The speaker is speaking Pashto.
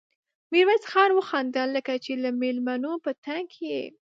ميرويس خان وخندل: لکه چې له مېلمنو په تنګ يې؟